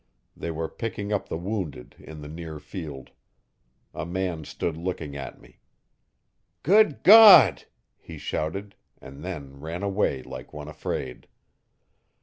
They were picking up the wounded in the near field. A man stood looking at me. 'Good God!' he shouted, and then ran away like one afraid.